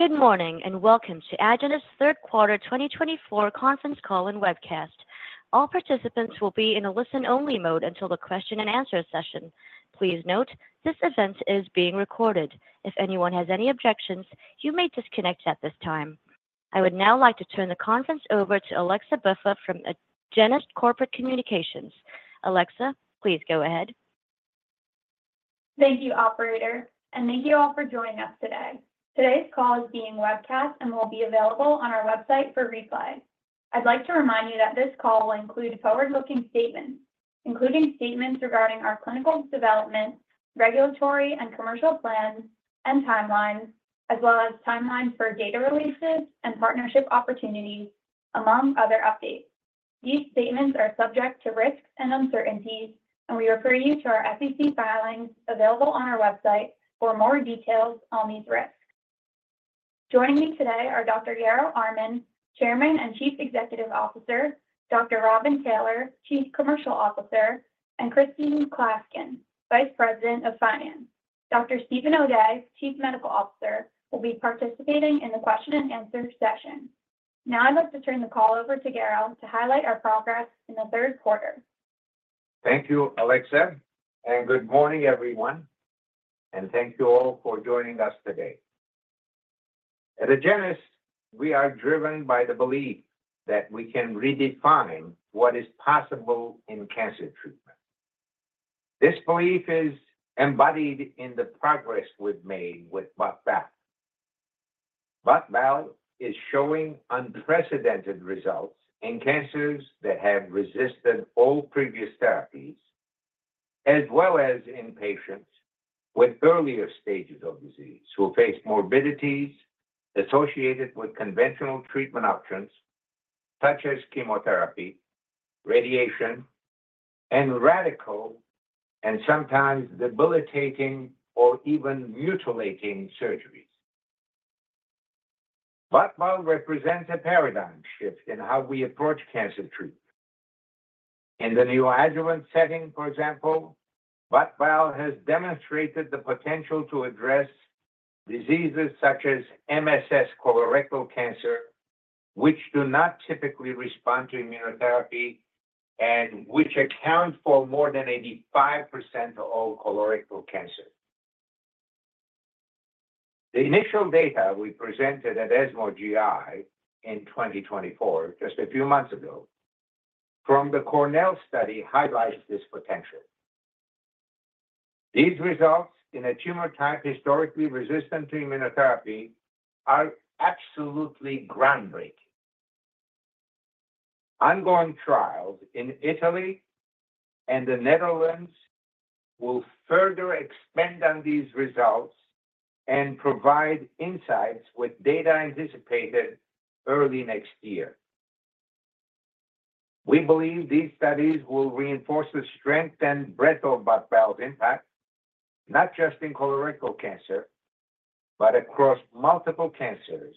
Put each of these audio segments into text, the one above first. Good morning and welcome to Agenus' Q3 2024 Conference Call and Webcast. All participants will be in a listen-only mode until the question-and-answer session. Please note this event is being recorded. If anyone has any objections, you may disconnect at this time. I would now like to turn the conference over to Alexa Buffa from Agenus Corporate Communications. Alexa, please go ahead. Thank you, Operator, and thank you all for joining us today. Today's call is being webcast and will be available on our website for replay. I'd like to remind you that this call will include forward-looking statements, including statements regarding our clinical development, regulatory and commercial plans and timelines, as well as timelines for data releases and partnership opportunities, among other updates. These statements are subject to risks and uncertainties, and we refer you to our SEC filings available on our website for more details on these risks. Joining me today are Dr. Garo Armen, Chairman and Chief Executive Officer, Dr. Robin Taylor, Chief Commercial Officer, and Christine Klaskin, Vice President of Finance. Dr. Steven O'Day, Chief Medical Officer, will be participating in the question-and-answer session. Now I'd like to turn the call over to Garo to highlight our progress in the Q3. Thank you, Alexa, and good morning, everyone, and thank you all for joining us today. At Agenus, we are driven by the belief that we can redefine what is possible in cancer treatment. This belief is embodied in the progress we've made with bot/bal. bot/bal is showing unprecedented results in cancers that have resisted all previous therapies, as well as in patients with earlier stages of disease who face morbidities associated with conventional treatment options such as chemotherapy, radiation, and radical, and sometimes debilitating or even mutilating surgeries. bot/bal represents a paradigm shift in how we approach cancer treatment. In the neoadjuvant setting, for example, bot/bal has demonstrated the potential to address diseases such as MSS colorectal cancer, which do not typically respond to immunotherapy and which account for more than 85% of all colorectal cancers. The initial data we presented at ESMO GI in 2024, just a few months ago, from the Cornell study highlights this potential. These results in a tumor type historically resistant to immunotherapy are absolutely groundbreaking. Ongoing trials in Italy and the Netherlands will further expand on these results and provide insights with data anticipated early next year. We believe these studies will reinforce the strength and breadth of botensilimab and balstilimab's impact, not just in colorectal cancer, but across multiple cancers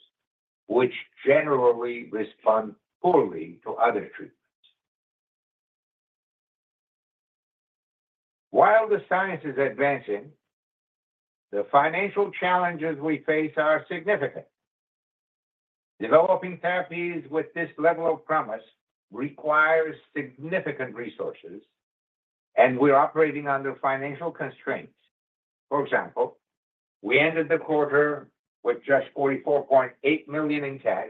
which generally respond poorly to other treatments. While the science is advancing, the financial challenges we face are significant. Developing therapies with this level of promise requires significant resources, and we're operating under financial constraints. For example, we ended the quarter with just $44.8 million in cash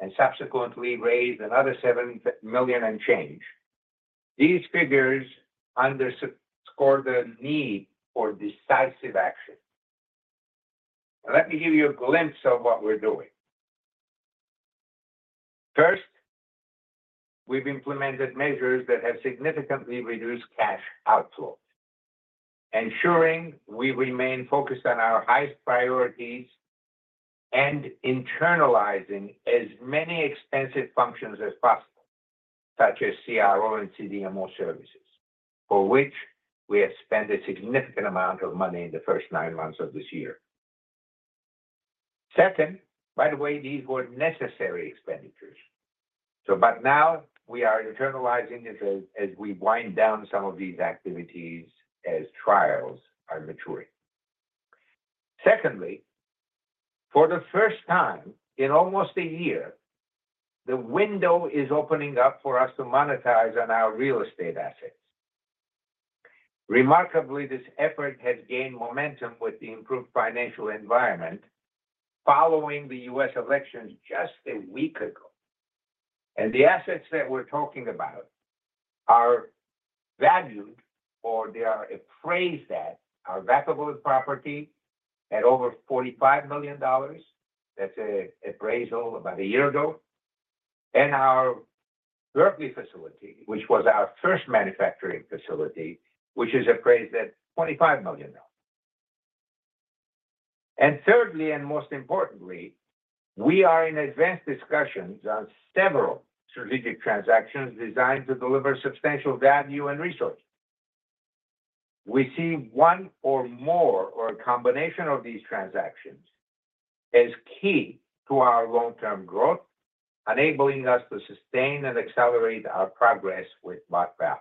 and subsequently raised another $7 million and change. These figures underscore the need for decisive action. Let me give you a glimpse of what we're doing. First, we've implemented measures that have significantly reduced cash outflow, ensuring we remain focused on our highest priorities and internalizing as many expensive functions as possible, such as CRO and CDMO services, for which we have spent a significant amount of money in the first nine months of this year. Second, by the way, these were necessary expenditures. But now we are internalizing this as we wind down some of these activities as trials are maturing. Secondly, for the first time in almost a year, the window is opening up for us to monetize on our real estate assets. Remarkably, this effort has gained momentum with the improved financial environment following the U.S. elections just a week ago, and the assets that we're talking about are valued, or they are appraised at, our Vacaville property at over $45 million. That's an appraisal about a year ago. And our Berkeley facility, which was our first manufacturing facility, which is appraised at $25 million. And thirdly, and most importantly, we are in advanced discussions on several strategic transactions designed to deliver substantial value and resources. We see one or more, or a combination of these transactions, as key to our long-term growth, enabling us to sustain and accelerate our progress with Buck Valve.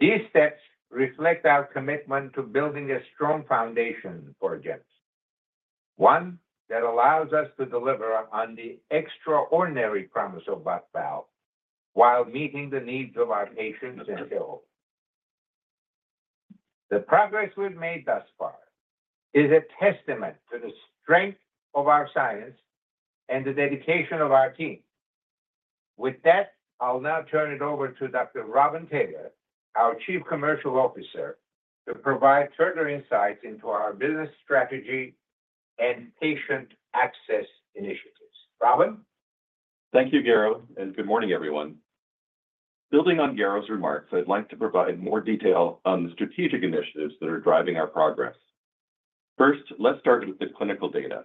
These steps reflect our commitment to building a strong foundation for Agenus, one that allows us to deliver on the extraordinary promise of Buck Valve while meeting the needs of our patients and shareholders. The progress we've made thus far is a testament to the strength of our science and the dedication of our team. With that, I'll now turn it over to Dr. Robin Taylor, our Chief Commercial Officer, to provide further insights into our business strategy and patient access initiatives. Robin? Thank you, Garo, and good morning, everyone. Building on Garo's remarks, I'd like to provide more detail on the strategic initiatives that are driving our progress. First, let's start with the clinical data.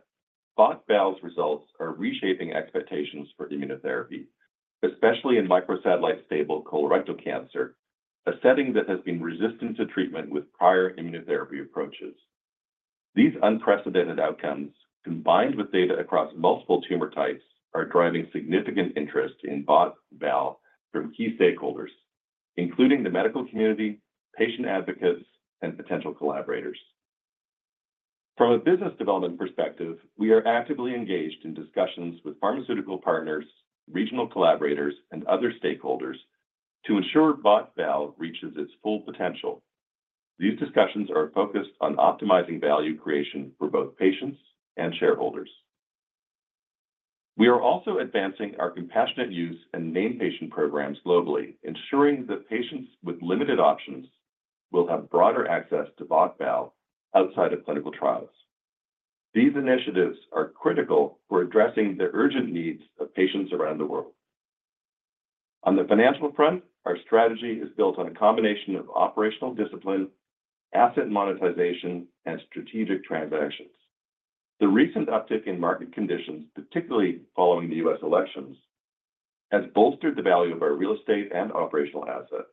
Bot/Bal's results are reshaping expectations for immunotherapy, especially in microsatellite stable colorectal cancer, a setting that has been resistant to treatment with prior immunotherapy approaches. These unprecedented outcomes, combined with data across multiple tumor types, are driving significant interest in Bot/Bal from key stakeholders, including the medical community, patient advocates, and potential collaborators. From a business development perspective, we are actively engaged in discussions with pharmaceutical partners, regional collaborators, and other stakeholders to ensure Bot/Bal reaches its full potential. These discussions are focused on optimizing value creation for both patients and shareholders. We are also advancing our compassionate use and named patient programs globally, ensuring that patients with limited options will have broader access to botensilimab and balstilimab outside of clinical trials. These initiatives are critical for addressing the urgent needs of patients around the world. On the financial front, our strategy is built on a combination of operational discipline, asset monetization, and strategic transactions. The recent uptick in market conditions, particularly following the U.S. elections, has bolstered the value of our real estate and operational assets.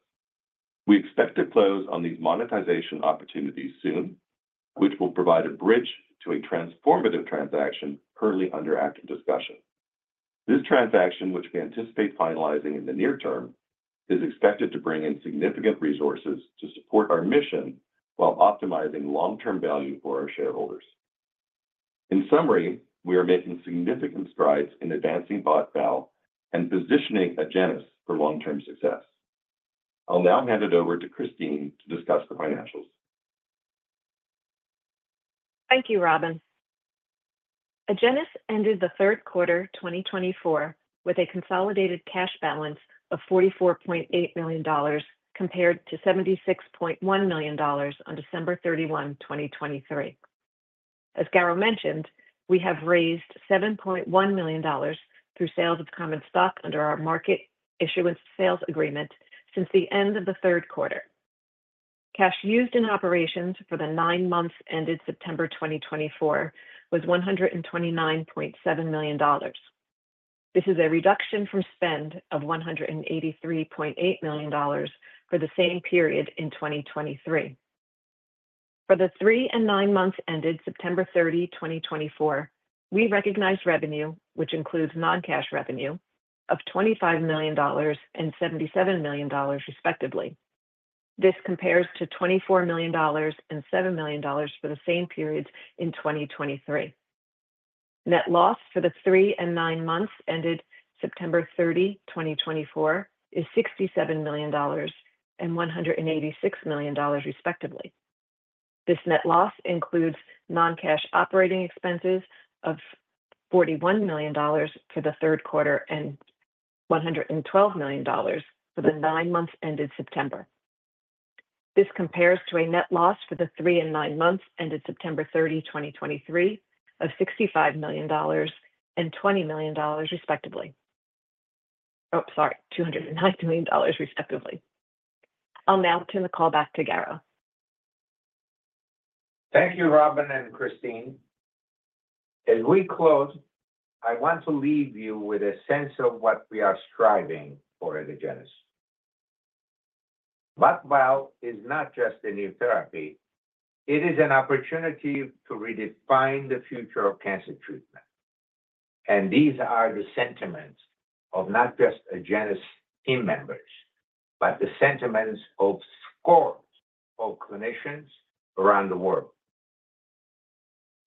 We expect to close on these monetization opportunities soon, which will provide a bridge to a transformative transaction currently under active discussion. This transaction, which we anticipate finalizing in the near term, is expected to bring in significant resources to support our mission while optimizing long-term value for our shareholders. In summary, we are making significant strides in advancing botensilimab and balstilimab and positioning Agenus for long-term success. I'll now hand it over to Christine to discuss the financials. Thank you, Robin. Agenus entered the Q3 2024 with a consolidated cash balance of $44.8 million, compared to $76.1 million on December 31, 2023. As Garo mentioned, we have raised $7.1 million through sales of common stock under our market issuance sales agreement since the end of the Q3. Cash used in operations for the nine months ended September 2024 was $129.7 million. This is a reduction from spend of $183.8 million for the same period in 2023. For the three and nine months ended September 30, 2024, we recognize revenue, which includes non-cash revenue, of $25 million and $77 million, respectively. This compares to $24 million and $7 million for the same periods in 2023. Net loss for the three and nine months ended September 30, 2024, is $67 million and $186 million, respectively. This net loss includes non-cash operating expenses of $41 million for the Q3 and $112 million for the nine months ended September. This compares to a net loss for the three and nine months ended September 30, 2023, of $65 million and $20 million, respectively. Oh, sorry, $209 million, respectively. I'll now turn the call back to Garo. Thank you, Robin and Christine. As we close, I want to leave you with a sense of what we are striving for at Agenus. Botensilimab and balstilimab is not just a new therapy. It is an opportunity to redefine the future of cancer treatment, and these are the sentiments of not just Agenus team members, but the sentiments of scores of clinicians around the world.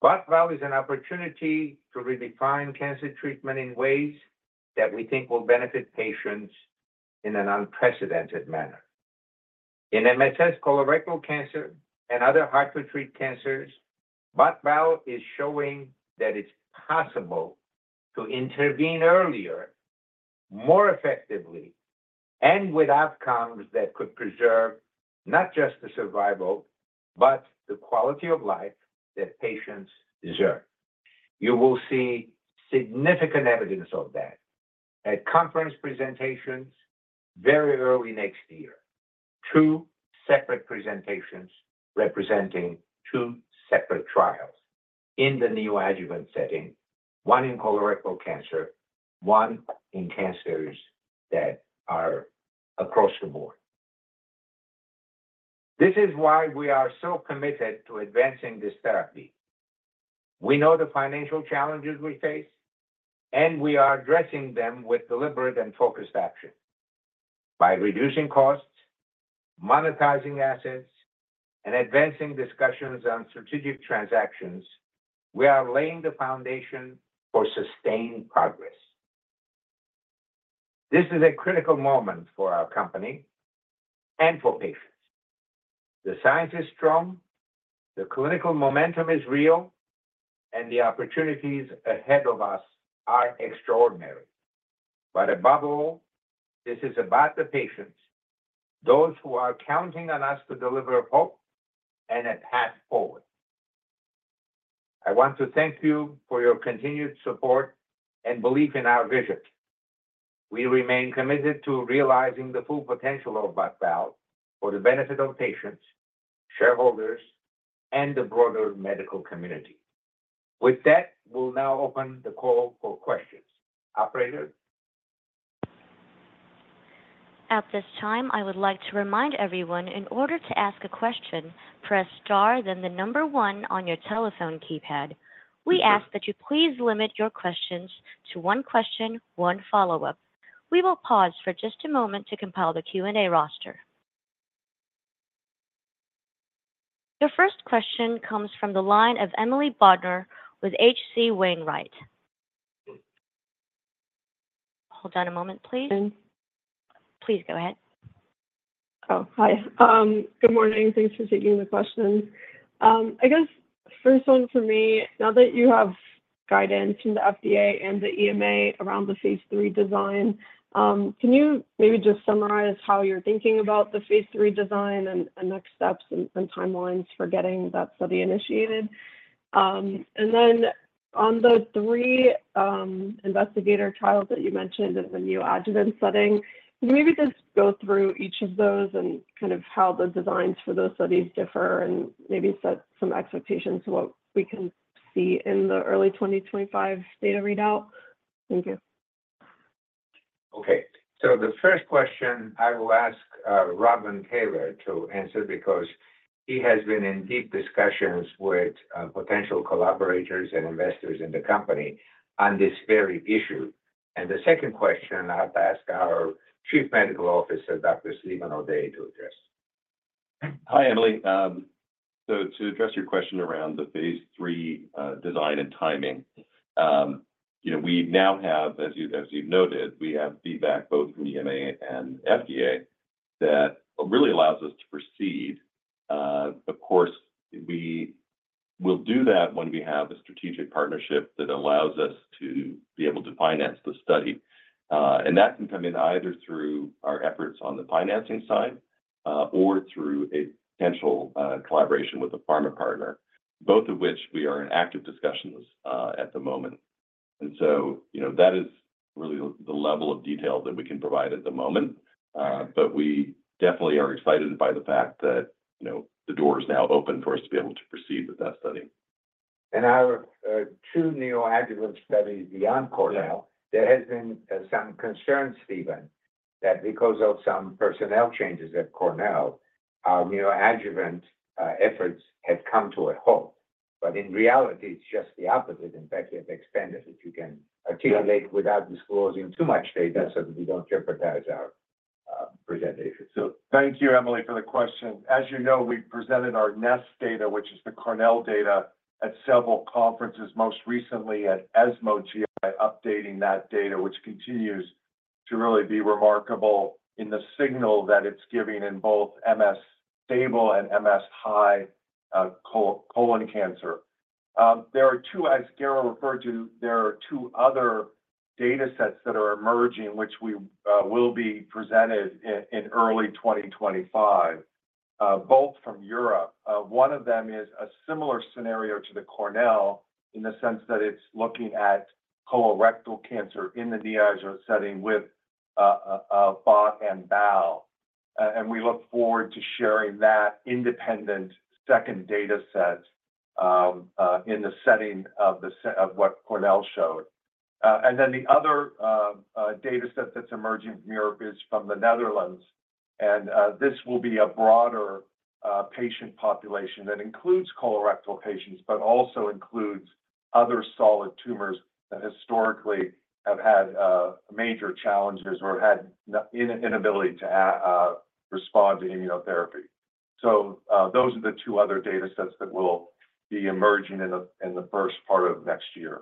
Botensilimab and balstilimab is an opportunity to redefine cancer treatment in ways that we think will benefit patients in an unprecedented manner. In MSS colorectal cancer and other hard-to-treat cancers, botensilimab and balstilimab is showing that it's possible to intervene earlier, more effectively, and with outcomes that could preserve not just the survival, but the quality of life that patients deserve. You will see significant evidence of that at conference presentations very early next year, two separate presentations representing two separate trials in the neoadjuvant setting, one in colorectal cancer, one in cancers that are across the board. This is why we are so committed to advancing this therapy. We know the financial challenges we face, and we are addressing them with deliberate and focused action. By reducing costs, monetizing assets, and advancing discussions on strategic transactions, we are laying the foundation for sustained progress. This is a critical moment for our company and for patients. The science is strong, the clinical momentum is real, and the opportunities ahead of us are extraordinary. But above all, this is about the patients, those who are counting on us to deliver hope and a path forward. I want to thank you for your continued support and belief in our vision. We remain committed to realizing the full potential of botensilimab and balstilimab for the benefit of patients, shareholders, and the broader medical community. With that, we'll now open the call for questions. Operator? At this time, I would like to remind everyone in order to ask a question, press star then the number one on your telephone keypad. We ask that you please limit your questions to one question, one follow-up. We will pause for just a moment to compile the Q&A roster. The first question comes from the line of Emily Bodnar with H.C. Wainwright. Hold on a moment, please. Hi. Please go ahead. Oh, hi. Good morning. Thanks for taking the question. I guess first one for me, now that you have guidance from the FDA and the EMA around the Phase 3 design, can you maybe just summarize how you're thinking about the Phase 3 design and next steps and timelines for getting that study initiated? And then on the three investigator trials that you mentioned in the neoadjuvant setting, can you maybe just go through each of those and kind of how the designs for those studies differ and maybe set some expectations to what we can see in the early 2025 data readout? Thank you. Okay, so the first question I will ask Robin Taylor to answer because he has been in deep discussions with potential collaborators and investors in the company on this very issue, and the second question I have to ask our Chief Medical Officer, Dr. Steven O'Day, to address. Hi, Emily. To address your question around the Phase 3 design and timing, we now have, as you've noted, we have feedback both from EMA and FDA that really allows us to proceed. Of course, we will do that when we have a strategic partnership that allows us to be able to finance the study. That can come in either through our efforts on the financing side or through a potential collaboration with a pharma partner, both of which we are in active discussions at the moment. That is really the level of detail that we can provide at the moment. We definitely are excited by the fact that the door is now open for us to be able to proceed with that study. Our two neoadjuvant studies beyond Cornell, there has been some concern, Steven, that because of some personnel changes at Cornell, our neoadjuvant efforts have come to a halt. In reality, it's just the opposite. In fact, we have expanded, if you can articulate without disclosing too much data so that we don't jeopardize our presentation. Thank you, Emily, for the question. As you know, we've presented our NEST data, which is the Cornell data, at several conferences, most recently at ESMO GI, updating that data, which continues to really be remarkable in the signal that it's giving in both MS stable and MS high colon cancer. There are two, as Garo referred to, other data sets that are emerging, which we will be presented in early 2025, both from Europe. One of them is a similar scenario to the Cornell in the sense that it's looking at colorectal cancer in the neoadjuvant setting with Buck and Bal. We look forward to sharing that independent second data set in the setting of what Cornell showed. The other data set that's emerging from Europe is from the Netherlands. And this will be a broader patient population that includes colorectal patients, but also includes other solid tumors that historically have had major challenges or had inability to respond to immunotherapy. So those are the two other data sets that will be emerging in the first part of next year.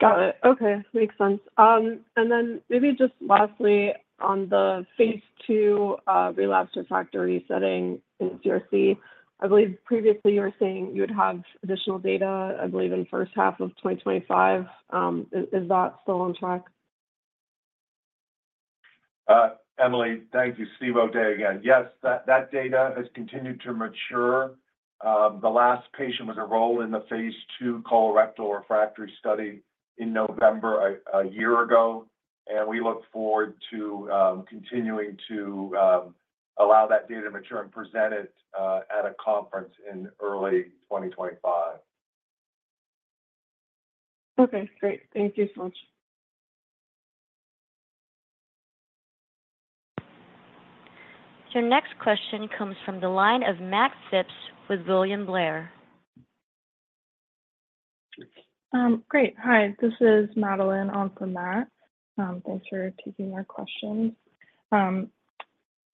Got it. Okay. Makes sense. And then maybe just lastly, on the Phase 2 relapse refractory setting in CRC, I believe previously you were saying you would have additional data, I believe, in the first half of 2025. Is that still on track? Emily, thank you. Steve O'Day again. Yes, that data has continued to mature. The last patient was enrolled in the Phase 2 colorectal refractory study in November a year ago, and we look forward to continuing to allow that data to mature and present it at a conference in early 2025. Okay. Great. Thank you so much. Your next question comes from the line of Matt Phipps with William Blair. Great. Hi. This is Madeline on for Matt. Thanks for taking our questions.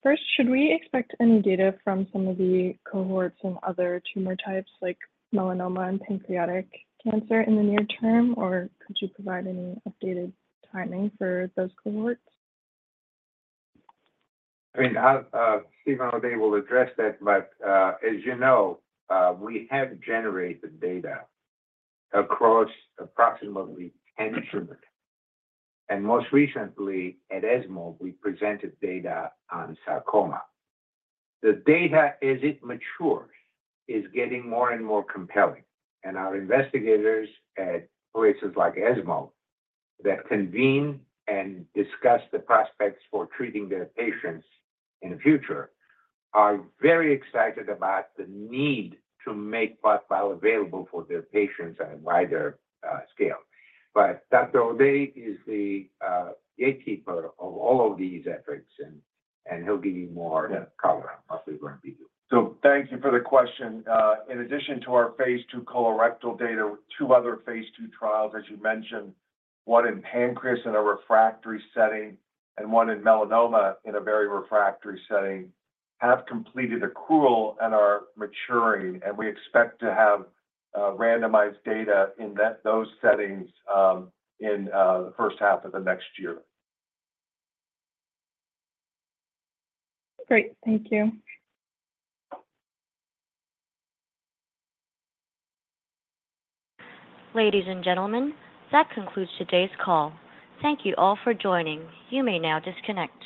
First, should we expect any data from some of the cohorts and other tumor types like melanoma and pancreatic cancer in the near term, or could you provide any updated timing for those cohorts? I mean, Steve and I will address that. But as you know, we have generated data across approximately 10 tumors. And most recently, at ESMO, we presented data on sarcoma. The data, as it matures, is getting more and more compelling. And our investigators at places like ESMO that convene and discuss the prospects for treating their patients in the future are very excited about the need to make botensilimab and balstilimab available for their patients at a wider scale. But Dr. O'Day is the gatekeeper of all of these efforts, and he'll give you more color on what we're going to be doing. Thank you for the question. In addition to our Phase 2 colorectal data, two other Phase 2 trials, as you mentioned, one in pancreas in a refractory setting and one in melanoma in a very refractory setting, have completed accrual and are maturing. We expect to have randomized data in those settings in the first half of the next year. Great. Thank you. Ladies and gentlemen, that concludes today's call. Thank you all for joining. You may now disconnect.